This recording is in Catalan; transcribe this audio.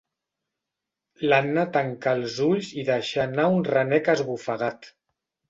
L'Anna tancà els ulls i deixà anar un renec esbufegat.